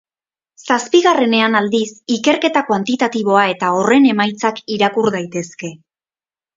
Zazpigarrenean, aldiz, ikerketa kuantitatiboa eta horren emaitzak irakur daitezke.